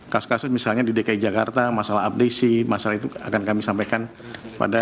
kasus kasus misalnya di dki jakarta masalah abdesi masalah itu akan kami sampaikan pada